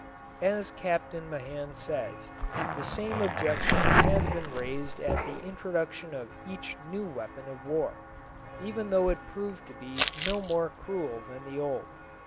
As Captain Mahan says, the same objection has been raised at the introduction of each new weapon of war, even though it proved to be no more cruel than the old.